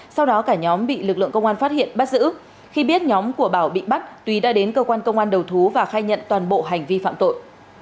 sau đó cả nhóm bị lực lượng công an phát hiện bắt giữ khi biết nhóm của bảo bị bắt túy đã đến cơ quan công an đầu thú và khai nhận toàn bộ hành vi phạm tội